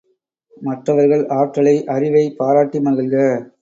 மற்றவர்கள் ஆற்றலை, அறிவைப் பாராட்டி மகிழ்க!